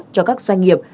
cho các doanh nghiệp